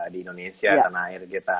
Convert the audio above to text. di indonesia tanah air kita